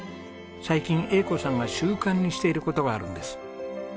最近英子さんが習慣にしている事があるんです。